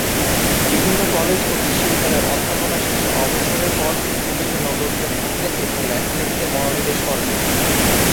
বিভিন্ন কলেজ ও বিশ্ববিদ্যালয়ে অধ্যাপনা শেষে অবসরের পর তিনি কুমিল্লা নগরীতে থাকতেন এবং লেখালেখিতে মনোনিবেশ করেন।